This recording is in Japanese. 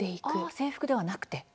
制服ではなくて。